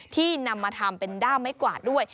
ที่นำมาทำเป็นด้ามไม้กวาดด้วย